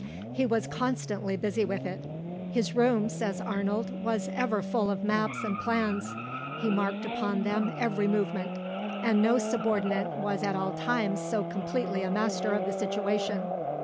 He was constantly busy with it; "his room," says Arnold, "was ever full of maps and plans; he marked upon them every movement, and no subordinate was at all times so completely a master of the situation."